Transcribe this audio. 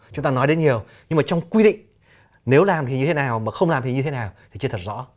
chúng ta nói đến nhiều nhưng mà trong quy định nếu làm thì như thế nào mà không làm thì như thế nào thì chưa thật rõ